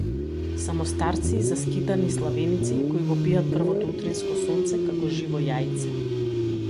Само старци и заскитани славеници кои го пијат првото утринско сонце како живо јајце.